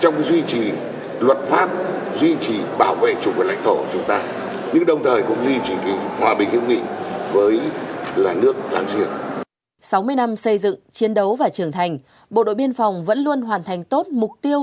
sáu mươi năm xây dựng chiến đấu và trưởng thành bộ đội biên phòng vẫn luôn hoàn thành tốt mục tiêu